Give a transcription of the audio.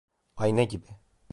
Ayna gibi…